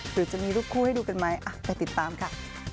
หรือจะมีรูปคู่ให้ดูกันไหมไปติดตามค่ะ